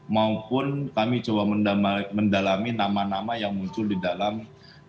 maupun kami coba mendalami nama nama yang muncul di dalam